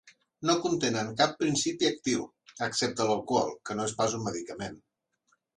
No contenen cap principi actiu, excepte l'alcohol, que no és pas un medicament.